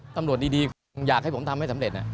ตำรวจดีคงอยากให้ผมทำให้สำเร็จ